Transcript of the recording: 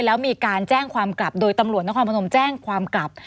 แล้วมีการแจ้งความกลับโดยตำรวจนครพนมแจ้งความกลับ